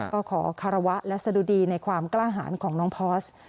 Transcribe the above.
ก็ขอคารวะและสะดุดีในความกล้าหารของน้องพอร์ส